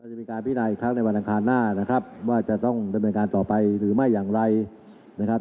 จะมีการพินาอีกครั้งในวันอังคารหน้านะครับว่าจะต้องดำเนินการต่อไปหรือไม่อย่างไรนะครับ